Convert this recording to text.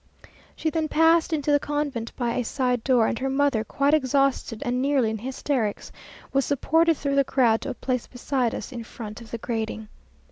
She then passed into the convent by a side door, and her mother, quite exhausted and nearly in hysterics, was supported through the crowd to a place beside us, in front of the grating.